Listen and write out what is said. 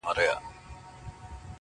جهاني به پر لکړه پر کوڅو د جانان ګرځي-